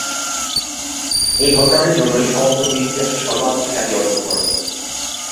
এই ঘটনাটির জন্যই সম্ভবত তিনি ইতিহাসে সর্বাধিক খ্যাতি অর্জন করেন।